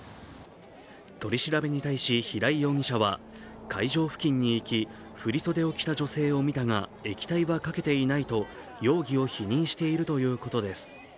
取り調べに対し、平井容疑者は会場付近に行き、振り袖を着た女性を見たが液体はかけていないと容疑を否認しているということです。